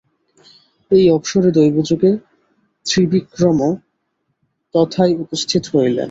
এই অবসরে দৈবযোগে ত্রিবিক্রমও তথায় উপস্থিত হইলেন।